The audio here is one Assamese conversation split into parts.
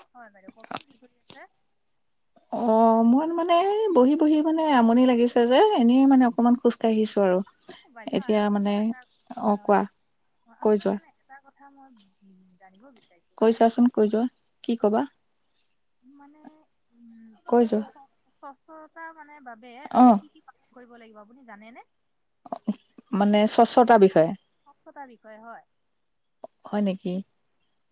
অ হয় বাইদেউ কওকচোন কি কৰি আছে? অঁ' মোৰ মানে বহি বহি মানে আমনি লাগিছে যে এনেই মানে অকমান খোজকাঢ়িছো আৰু। অঁ' বাইদেউ এতিয়া আৰু মানে আপোনাৰ এটা অ হয় হয়, কোৱা অঁ' কৈ আপোনাৰ যোৱা মানে- এটা কথা মই জানিব বিচাৰিছোঁ। কৈচোৱাচোন কৈ যোৱা কি কবা? মানে উম কৈ যোৱা? স্বচ্ছতা মানে বাবে অ আমি কি কি কাম কৰিব লাগিব আপুনি জানেনে? মানে স্বচ্ছতাৰ স্বচ্ছ- বিষয়ে। স্বচ্ছতাৰ বিষয়ে হয়। হয় নেকি,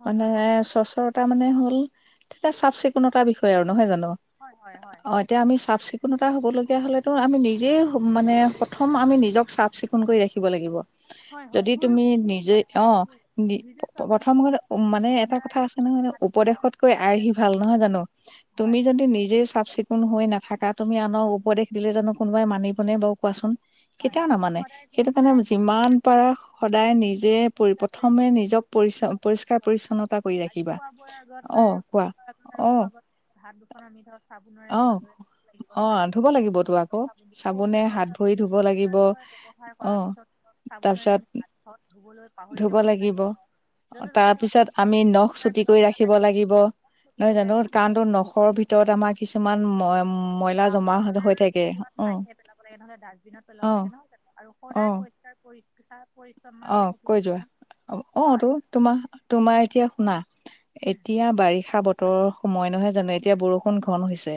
হয় মানে হয় কওকচোন স্বচ্ছতাৰ মানে হ'ল এটা চাফ চিকুণতা বিষয় আৰু নহয় জানো। হয় হয় হয়। অঁ' এতিয়া আমি চাফ চিকুণতা হ'ব লগীয়া হ'লেতো আমি নিজেই মানে প্ৰথম আমি নিজক চাফ চিকুণ কৰি ৰাখিব লাগিব। হয় হয় যদি দুয়ো তুমি নিজে অঁ' নিজে চাফ প্ৰথম চিকুণ কথা মানে এটা কথা আছে নহয় উপদেশতকৈ আৰ্হি ভাল নহয় জানো। তুমি হয়। নিজে চাফ চিকুণ হৈ নাথাকা তুমি আনৰ উপদেশ দিলে জানো কোনোবাই মানিবনে বাৰু, কোৱাচোন। হয় কেতিয়াও হয় নামানে। সদায় ধৰক সেইটো সদায় কাৰণে যিমান পাৰা সদায় নিজে পৰি চেষ্টা কৰি প্ৰথমে ৰাখিব লাগিব নিজক পৰি সকলোৰে পৰিষ্কাৰ ঘৰত পৰিচ্ছন্নতা কৰি আৰু ৰাখিবা। খোৱা বোৱাৰ আগত আৰু অঁ' খোৱা কোৱা, বোৱাৰ আগত আৰু অঁ'। খোৱা বোৱাৰ হাত দুখন আমি ধৰ চাবোনেৰে ভালদৰে ধুব লাগিব অ নহয় জানো। ধুব লাগিবতো আকৌ [unintelligible] চাবোন, চাবোনে তাৰ হাত পিছত ভৰি ধুব লাগিব [unintelligible] ব্যৱহাৰ অ কৰাৰ পিছত চাবোনেৰে তাৰপিছত আমি হাত ধুবলৈ পাহৰি ধুব যাব লাগিব নালাগিব। তাৰপিছত আমি নখ চুটি কৰি ৰাখিব নালাগে লাগিব। ক্ষতি নহয় কৰি জানো, ৰাখিব কাৰণ টো নখৰ ভিতৰত আমাৰ কিছুমান জাবৰ ম পেলোৱা ময়লা ঠাইত জমা হে হৈ থাকে পেলাব অ লাগে, নহ'লে ডাষ্টবিনত- পেলাব অ লাগে, নহয় জানো আৰু সদায় পৰিষ্কাৰ পৰি পৰিচছন্ন অঁ' কৈ যোৱা, অঁ' টো তোমাৰ তোমাৰ এতিয়া শুনা উম, এতিয়া বাৰিষা হয় হয় বতৰ সময় নহয় জানো, এতিয়া বৰষুণ ঘন হৈছে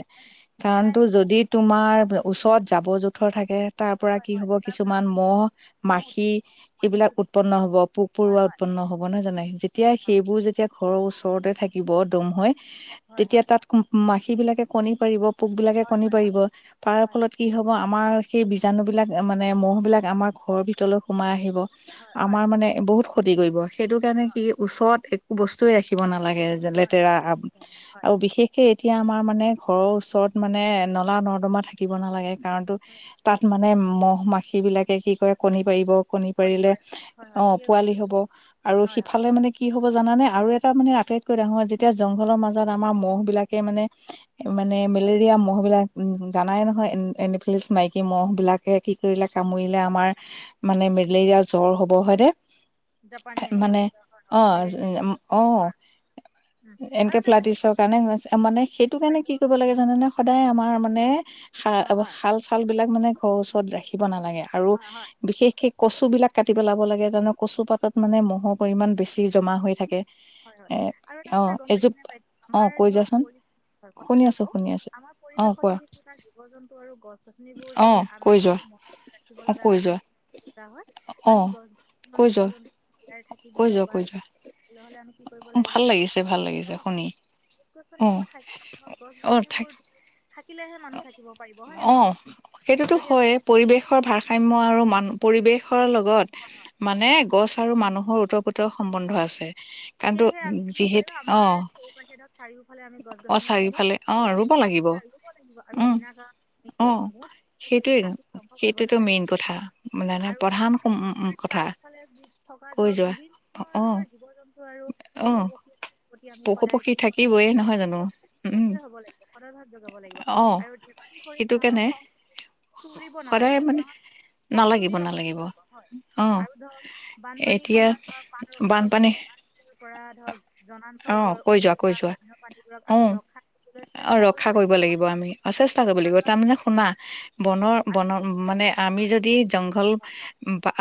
কাৰণ ফেনাইল তোৰ চেনাইল যদি তোমাৰ ওচৰত জাবৰ জোথৰ থাকে তাৰ পৰা হয় কি হয় হ'ব তাৰপৰা কিছুমান আমি মহ, মহ মাখি মাখি এইবিলাক উৎপন্ন হ'ব পোক হয় পৰুৱা হয় উৎপন্ন হ'ব, নহয় জানোঁ। যেতিয়া অ সেইবোৰ যেতিয়া ঘৰৰ ওচৰতে থাকি থাকিব দম হৈ। হয় তেতিয়া হয় তাত মাখি বিলাকে কণী পাৰিব, পোক বিলাকে হয় কণী হয় হয় পাৰিব তাৰ হয় হয় ফলত কি হ'ব আমাৰ সেই বীজাণু বিলাক মানে মহ' বিলাক আমাৰ ঘৰৰ ভিতৰলৈ সোমাই আহিব। হয় হয় আমাৰ মানে বহুত ক্ষতি কৰিব, সেইটো কাৰণে কি ওচৰত একো বস্তুৱে ৰাখিব নালাগে- হয় হয় লেতেৰা ঠিকে কৈছে আপুনি হয় আৰু বিশেষ সেই এতিয়া আমাৰ মানে ঘৰৰ ওচৰত মানে নলা নৰ্দমা থাকিব নালাগে। কাৰণ তোৰ হয় হয় তাত মানে মহ' মাখি বিলাকে কি কৰে কণী পাৰিব, কণী পাৰিলে পাৰে হয় হয় অঁ' ঠিকে কৈছে পোৱালি হ'ব আৰু হয় হয় সিফালে মানে কি হ'ব জানানে আৰু এটা মানে আটাইতকৈ ডাঙৰ যেতিয়া জংঘলৰ মাজত আমাৰ মহ' বিলাকে মানে মানে মেলেৰিয়া মহ' বিলাক জানাই নহয় এন এনিফিলিছ মাইকী মহ বিলাক। এ কি কৰিলে কামুৰিলে আমাৰ মানে মেলেৰিয়া জ্বৰ হ'ব, জাপানী হয়নে। মানে এনকেলেপা হয় হয় মেলেৰিয়া অঁ' অঁ'। হয় উম, আৰু এনকে এটা বাইদেউ ফ্লাটিছৰ কাৰণে হয়। মানে সেইটো কাৰণে বাইদেউ কি কৰিব লাগে জানানে সদায় আমাৰ মানে হয় হয় শাল চাল বিলাক মানে ঘৰৰ ওচৰত ৰাখিব নালাগে। আৰু, হয় হয় বিশেষকে কচু বিলাক কাটি পেলাব লাগে, তাৰমানে কচু পাতত মানে মহ'ৰ পৰিমাণ বেছি জমা হৈ থাকে। হয় হয় এ আৰু এটা অ কথা গম পাইছে নে এজোপ বাই অ আমাৰ কৈ ধৰক যোৱাচোন পৰি কথা শুনি এটা আছো কওঁ শুনি আছো আমাৰ অ পৰিৱেশত কোৱা যদি কিবা জীৱ জন্তু আৰু গছ গছনিবোৰ অ যদি কৈ যোৱা আমাক ৰাখিব অ লগা কৈ হয়। যোৱা আমি কৰা হয় অ আমি গ কৈ যোৱা জীৱ-জন্তু জীয়াই কৈ থাকিবলৈ যোৱা বা কৈ যোৱা থাকিবলৈ হলে আমি কি কৰিব লাগে ভাল জানাই লাগিছে ভাল লাগিছে শুনি অ গছ-গছনিবোৰ থাকি মই অ থাক গছ-গছনিবোৰো থাকিলেহে মানুহ থাকিব পাৰিব হয় নে নহয় অ', কওকচোন, সেইটোতো যদি আমি [unintelligible] পৰিবেশৰ লগত' মানে গছ আৰু মানুহৰ ওতঃপ্ৰোত সম্বন্ধ আছে। কাৰণটো সেয়েহে আমি কি ক'ৰিব যিহেতু লাগিব' আমাৰ অ', চৌপাশে চাৰিওফালে আমি অ', গছ-গছনি সমূহ চাৰিওফালে অ', আমি ৰুব দুৰু লাগিব। লাগিব আৰু উম, বিনা কাৰণ সেই অ', সমূহ সেইটোৱে কাট ধ্বংস কৰিব সেইটোতো নালাগে। মেইন কথা মানে আৰু প্ৰধান আমাৰ কথা চাৰিওফালে থকা কৈ ধৰক যোৱা। বিভিন্ন অ', ধৰণৰ জীৱ-জন্তু আৰু পশু অ', পক্ষী প্ৰতি আমি পশু পক্ষী সদায় থাকিবয়ে নহয় জানো [unintelligible] উম, সদয় হ'ব লাগে। সদৰ ভাৱ জগাব লাগিব অ', আৰু ধেমালি কৰি সেইটো সিহঁতক কাৰণে খ [unintelligible] তুৰিব সদায় নালাগিব, মানে সিহঁত খং নালাগিব তুলি লব নালাগিব লাগিব হয় অ', আৰু ধৰক বানপানীৰ এতিয়া সময়ত ধৰক বাণ ৰক্ষাৰ বাবে, বানপানী বনা পৰা ধৰক অ', জনাঞ্চললৈ কৈ ওল যোৱা কৈ যোৱা। বন্যপ্ৰাণীবোৰক অ আমি ৰখা দিবলৈ চেষ্টা কৰিব লাগিব হয় ন আমি চেষ্টা কৰিব লাগিব। তাৰ মানে শুনা বনৰ আৰু বনৰ মানে হয় আমি হয় যদি জংঘল হয় হয়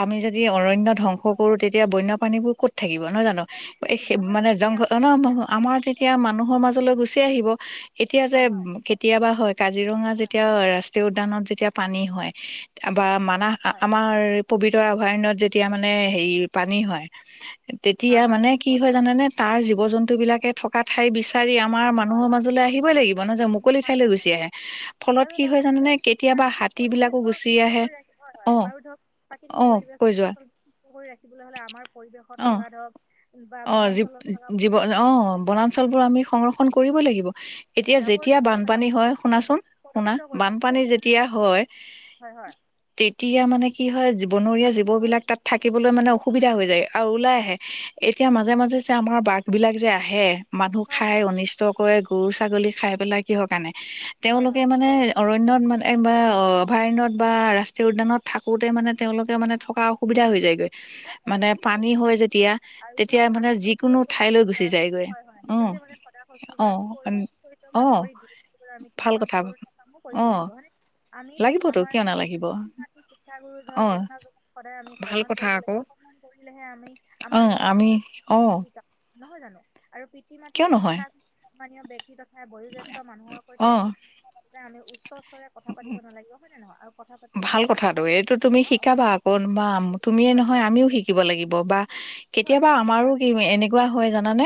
আমি যদি অৰণ্য হয় ধ্বংস হয় কৰোঁ তেতিয়া বন্য প্ৰানীবোৰ ক'ত থাকিব নহয় জানো, ওলাই গুচি আহিব নহয় মানে জানো তেতিয়া জংঘল আমাক ন সিহঁতে আমাৰ মুক্ত তেতিয়া কৰিব। মানুহৰ মাজলৈ গুচি আহিব। এতিয়া যে হয় হয় কেতিয়াবা হয়' কাজিৰঙা যেতিয়া ৰাচ উদ্যানত যেতিয়া পানী হয়, বা মানাহ হয় আমাৰ পবিতৰা আভয়াৰন্যত যেতিয়া মানে হে পানী হয়' তেতিয়া হয় হয় মানে কি হয় জানেনে' তাৰ জীৱ-জন্তু বিলাকে থকা ঠাই বিচ চাৰি আমাৰ হয় মানুহৰ মাজলৈ আহিবই লাগিব। নহয় যে মোক হয় হয় হয়, আৰু এটা কথা জানেনে কেতিয়াবা প্ৰাকৃতিক হাতী বিলাকো পৰিৱেশৰ গুচি সুস্থ আহে কৰি ৰাখিব হয় হয় অ আৰু ধৰক প্ৰাকৃতিক অ কৈ যোৱা পৰিৱেশু কৰি ৰাখিবলৈ হলে আমাৰ পৰিৱেশত অ থকা ধৰক বা অ' বনাঞ্চলত থকা জীৱ পুখুৰী অ' বনাঞ্চল বোৰ আমি সংৰক্ষ কৰিব লাগিব এতিয়া জাবৰ যেতিয়া জোথৰ পেলাব বানপানী হয় নালাগে শুনাচোন' শুনা' প্ৰদূষিত কৰিব বান পানী নালাগিব হয় নে নহয় যেতিয়া হয় কওকচোন হয় হয়। তেতিয়া মানে কি হয়' জীৱনৰীয়া আৰু ধৰক জীৱবিলাক তাত থাকিবলৈ মানে অসুবিধা হৈ যায়। আৰু ওলাই আহে, এতিয়া মাজে মাজে যে আমাৰ বাঘ বিলাক যে আহে মানুহ হয় খাই হয় অনিষ্ট কৰে গৰু ছাগলী খাই পেলাই কিহৰ কাৰণে' হয় তেওঁলোকে হয় মানে অৰণ্যত মানে অভয়াৰণ্যত বা ৰাষ্ট্ৰীয় উদ্যানত থাকোঁতে মানে তেওঁলোকে মানে থকা সুবিধা হৈ যাইগৈ। হয় হয় হয় ঠিকে কৈছা, আৰু তেতিয়া মানে আমি যিকোনো সেইবোৰৰ প্ৰতি ঠাইলৈ গুচি যায়গৈ হয় হয় উম নিজকে মানে সদা সতি অ বা অ তয়ান কৰি আমি ভাল কিছুমান কথা কৰোণা কামো কৰিব অ লাগিব হয়নে আমি লাগিবতো আমাৰ কিয় নালাগিব শিক্ষাগুৰু ধৰ অ জ্যেষ্ঠক সদায় আমি ভাল সন্মান কথা কৰিব আকৌ লাগে' অকমান কৰিলেহে আমি অ আমাৰ আমি লৰাটোৱ অ [unintelligible] শিক নহয় জানো? আৰু পিতৃ কিয় মাতৃক নহয় শিক্ষা সন্মানীয় ব্যক্তি তথা বয়োজেষ্ঠ মানুহৰ অ সৈতে কথা পাতোতে আমি উচ্চস্বৰে কথা পাতিব নালাগিব হয় নে নহয় আৰু কথা পাতিলে ভাল আমাৰ কি কথাটো হয় এইটো তুমি অ অ শিকাবা আক কোনোবা এই তুমি বস্তুটো তুমিয়ে হয় নহয় আমিও শিকিব লাগিব বা হয়। কেতিয়াবা আমাৰো আৰু কি এনেকুৱা হয় জানানে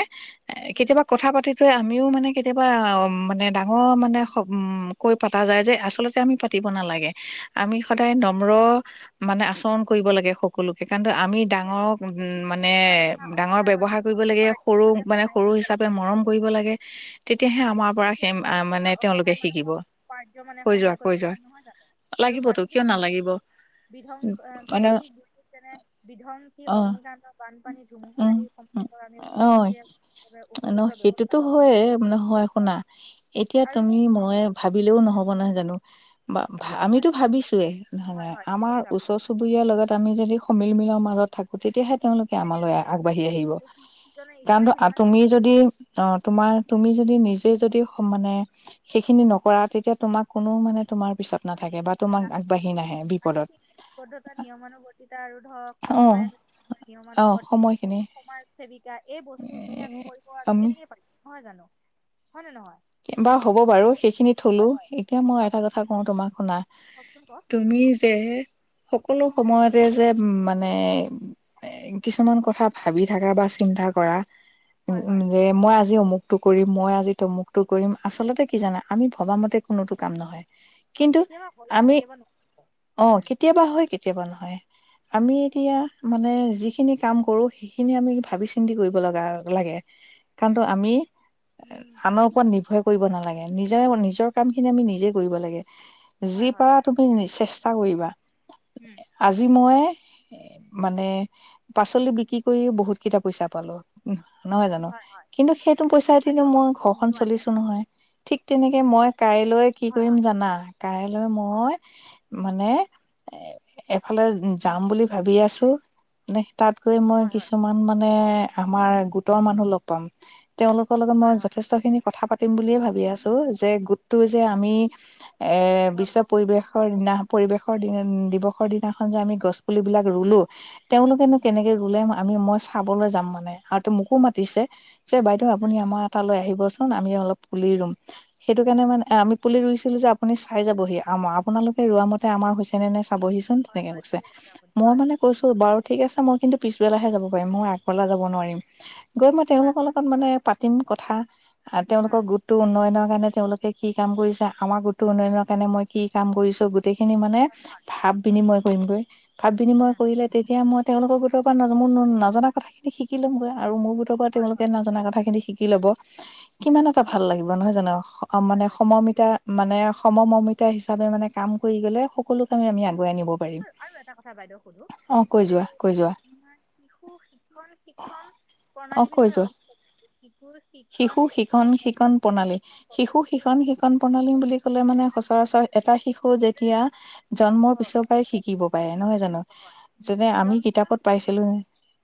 এ উম, কেতিয়াবা কথা পাতি আমিও মানে কেতিয়াবা অ মানে ডাঙৰ মানে কৈ পাতা যায় যে আচলতে আমি পাতিব নালাগে আমি সদায় নম্ৰ মানে আচৰণ কৰিব লাগে সক সকলোকে কাৰণ আমি দুখীয়া ডাঙৰক দুখীয়া মানে নিচলা তথা ডাঙৰ অসহায় ব্যৱহাৰ কৰিব মানুহক লাগে পাৰ্য্য সৰুক মানে সহায় সৰু কৰিব হিচাপে লাগে মৰম কৰিব লাগে তেতিয়াহে উম, আমাৰ পৰা দুখীয়া সেই নিচলা তথা মানে তেওঁলোকে অসহায় শিকিব মানুহক পাৰ্য মানে কৈ যোৱা সহায় কৰিব কৈ যোৱা লাগে নহয় জানো আৰু লাগিবতো কিয় প্ৰাকৃতিক নালাগিব বিধ্বংস মানে প্ৰাকৃতিক দুৰ্যোগ যেনে বিধ্বংসী অ অগ্নিকাণ্ড বানপানী ধুমুহা উম আদি সম্পৰ্ক আ অ ওচৰ চুবুৰীয়াই উপযুক্ত ব্যৱস্থা ল'ব লাগে এ মানে হয় শুনা এতিয়া আৰু তুমি মই ভাবিলেও নহব নহয় জানো বা হয় আমিতো হয় ভাবিছোৱে নহয় নহলে হয় হয় ঠিকে আমাৰ কৈছে আপুনি ওচৰ চুবুৰীয়া চুবুৰীয়াৰ লগত আমি যদি সমিলমিলৰ মাজত থাকো তেতিয়াহে তেওঁলোক তেতিয়া আমালৈ আমি আগবাঢ়ি আহিব ইটোৱে সিজনে ইজনে কাৰণটো সিজনক তুমি যদি অ তোমাৰ তুমি যদি নিজে যদি মানে সেইখিনি নকৰা তেতিয়া তোমাক কোনো মানে তোমাৰ পিছত নাথাকে বা তোমাক আনাদে আগবাঢ়ি নাহে আৰু বিপদত শিক্ষা আৱদ্ধতা নিয়মানুবৰ্তিতা আৰু ধৰক অ সময় অ নিয়মানুবৰ্তিত সময়খিনি সমাজ সেৱিকা এই বস্তু খিনি আমি কৰিব আমি কেনেকে পাৰিম হয় জানো হয় নে নহয় আৰু বাৰু হ'ব বাৰু সেইখিনি থলো হয় হয় এতিয়া মই এটা কথা কওঁ তোমাক শুনা কওক চোন কওক তুমি যে সকলো উম সময়তে যে উ মানে এ কিছুমান কথা ভাবি থাকা বা চিন্তা কৰা উম হয় উম হয় যে মই আজি অমুকটো কৰিম মই আজি তমুক টো কৰিম আচলতে কি জানা আমি ভবা মতে কোনোতো কাম নহয় কওক কিন্তু কেতিয়াবা হয়ো আমি কেতিয়াবা নহয়ো অ উম কেতিয়াবা হয় কেতিয়াবা নহয় আমি এতিয়া মানে যিখিনি কাম কৰো সেইখিনি আমি ভাবি চিন্তি কৰিব লগা লাগে [unintelligible] কামটো আমি উম আনক ওপৰত নিৰ্ভয় কৰিব নালাগে নিজে নিজৰ কাম খিনি আমি নিজে কৰিব লাগে হয় যি হয় পাৰা তুমি নিজে চেষ্টা কৰিবা হুম আজি মই মানে পাচলি বিক্ৰী কৰি বহুত কেইটা পইচা পালো নহয় জানো হয় হয় কিন্তু সেইটো পইচা আজি এদিনো মই আম- ঘৰ ময়ো আজি আজি ঠিক তেনেকে মই কাইলৈ কি হয় কৰিম হয় জানা কাইলৈ মই মানে এ এফালে উম যাম বুলি ভাবি আছো মানে তাত গৈ মই হয় হয় কিছুমান মানে আমাৰ গোটৰ মানুহ লগ পাম তেওঁলোক তেওঁলোকৰ লগত হয় মই হয় যথেষ্টখিনি কথা পাতিম বুলিয় ভাবোঁ ভাবি আছো যে গোটটো যে আমি হয় এৰ ধৰক বিশ্ব গম পৰিৱেশৰ দিনা পৰিবেশৰ দিনা দিৱসৰ দিনাখন যে আমি গছ পুলিবিলাক ৰুলো তেওঁলোকেনো উম কেনেকে ৰুলে আমি মই চাবলৈ যাম মানে আৰু মোকো মা দিছে যে বাইদেউ উম আপুনি উম আমাৰ টালৈ আহিবচোন আমি অলপ পুলি ৰুম। সেইটো কাৰণে মানে আমি পুলি ৰুইছিলো যে আপুনি চাই যাবহি আম আপোনালোকে ৰোৱা মতে আমাৰ হৈছে নে নাই চাবহিচোন। হয় তেনেকে হয় কৈছে ঠিকে আপুনি মই হয় মানে কৈছো বাৰু ঠিক আছে মই কিন্তু পিছবেলাহে যাব পাৰিম মই আগবেলা যাব নোৱাৰিম। গৈ মই হয় তেওঁলোকৰ হয় লগত মানে পাতিম কথা তেওঁলোকৰ হয় গোট গোটটো উন্নয়নৰ কাৰণে তেওঁলোকে কি কাম কৰিছে আমাৰ গোটটো উন্নয়নৰ কাৰণে মই কি কাম কৰিছো। গোটেইখিনি মানে ভাৱ বিনিময় কৰিমগৈ ভাৱ বিনিময় উম, কৰিলে তেতিয়া মই তেওঁলোকৰ গোটৰ পৰা মোৰ ন নজনা কথাখিনি শিকি ল'মগৈ আৰু মোৰ গোট পৰা হয় তেওঁলোকে হয় নজনা কথাখিনি শিকি লব, কিমান এটা ভাল লাগিব নহয় জানো! অ' হয় মানে হয় ঠিক আছে। সমমিতা মানে সমমৰ্মিতা হিচাপে মানে কাম কৰি গ'লে সকলো কামে আমি আগুৱাই নিব পাৰিম আৰু এটা কথা বাইদেউ শুধো অ কৈ যোৱা কৈ যোৱা ছেমাৰ শিশু শিক্ষণ শিক্ষণ অ প্ৰণালীৰ কৈ বিষয়ে যোৱা আকৌ শিশুৰ শিক্ষণ শিশু শিক্ষণ শিক্ষণ প্ৰণালী শিক্ষণ শিশু প্ৰণালী শিকন শিকন প্ৰণালী বুলি মানে সচৰাচৰ এটা শিশু যেতিয়া জন্মৰ হয় পিছৰ পৰাই শিকিব। পাৰে নহয় জানো হয় যেনে হয় আমি জন্মৰ কিতাপত পিছৰ পাইছিলো।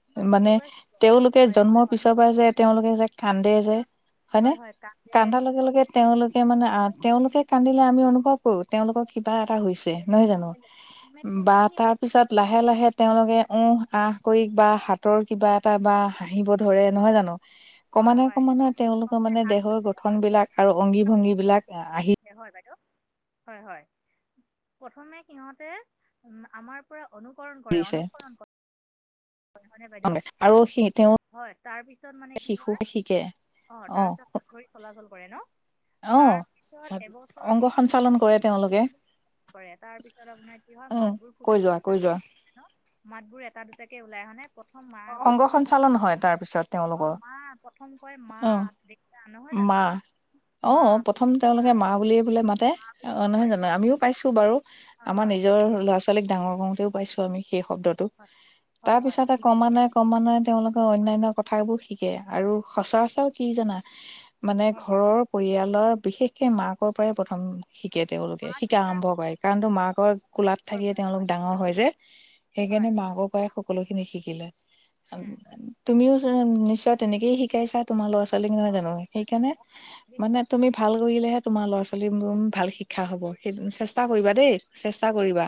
জন্মৰ পিছৰ মানে পৰাই শিকায় তেওঁলোকে পাৰে হয় জন্মৰ হয় পিছৰ পৰা যে তেওঁলোকে যে কান্দে আহ, যে আহ, হয়নে হয় হয় কান্দে কান্দা লগে লগে প্ৰথমতে তেওঁলোকে মানে আ প্ৰথমতে তেওঁলোকে কান্দিলে আমি অনুভৱ কৰোঁ তেওঁলোকৰ কিবা এটা হৈছে নহয় জানো চাই লয় মানে শুনি বা শুনি অনুকৰণ তাৰপিছত লাহে লাহে তেওঁলোকে উহঃ কৰে আহঃ কৰি বা হাতৰ কিবা এটা বা হাঁহিব ধৰে নহয় জানো। হয় ক্ৰমান্বয়ে হয় ক্ৰমান্বয়ে তেওঁলোকৰ মানে হাত ভৰি দেহৰ গঠন চলাচল কৰে। বিলাক আৰু অংগী ভংগী বিলাক আহি হয় বাইদেউ হয় হয় প্ৰথমে সিহঁতে আমাৰ অনুকৰণ কৰে পৰিছে অনুসৰণ কৰে নহয় নে বাইদেউ। আৰু সি তেওঁ হয় তাৰপিছত মানে কি শিশু হয় শিকে অ' তাৰপিছত হাত ধৰি চলাচল কৰে ন। অ তাৰ পিছত এবছৰ অংগ সঞ্চালন কৰে তেওঁলোকে পিছত কৰে তাৰ পিছত আপোনাৰ কি হয় উম মাতবোৰ কৈ ফুটি যোৱা উঠিব চেষ্টা কৈ যোৱা কৰে। নঃ মাত বোৰ এটা দুটাকে ওলাই হয়নে প্ৰথম মা অংগ প্ৰথম সঞ্চালন পত হয় তাৰ পিছত তেওঁ অ' মা প্ৰথম কয় মা দিতা নহয় জানো। মা অ' প্ৰথম তেওঁলোকে মা বুলি বোলে মাতে। বুলি অ' নহয় কয় জানো আমিও পাইছো বাৰু হয় আমাৰ নিজৰ ল'ৰা- ছোৱালী ছোৱালীক ডাঙৰ কৰোঁতেও পাইছো আমি সেই শব্দটো হয় হয় তাৰ হয় হয় পিছতে ক্ৰমানয়ে ক্ৰমানয়ে তেওঁলোকে অন্যান্য কথাবোৰ শিকে আৰু সচৰাচৰ কি জানা মানে হয় হয় ঘৰৰ পৰিয়ালৰ বিশেষকে মাকৰ পৰাই প্ৰথম। শিকে মা তেওঁলোকে শিকা দেউতাক আৰম্ভ কৰে কাৰণ তো মাকৰ কোলাত গুৰুত্বৰ থাকিয়ে পৰা তেওঁলোক হয় ডাঙৰ হয় যে। সেইকাৰণে হয় মাকৰ সকলো খিনি শিকি লয় তুমিওতো নিশ্চয় তেনেকেই শিকাইছা? তোমাৰ ল'ৰা-ছোৱালীক নহয় হয় জানো সেইকাৰণে মানে তুমি ভাল কৰিলেহে তোমাৰ ল'ৰা -ছোৱালী ভাল শিক্ষা হ'ব সেই চেষ্টা কৰিবা দেই চেষ্টা কৰিবা।